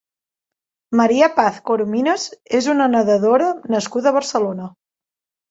María Paz Corominas és una nedadora nascuda a Barcelona.